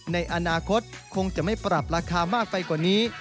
ในอนาคตคงจะไม่ปรับราคามากไปกว่านี้